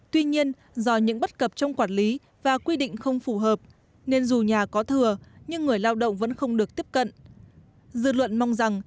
tuy nhiên do những bất cập trong quản lý và quy định không phù hợp nên dù nhà có thừa nhưng người lao động vẫn không được tiếp cận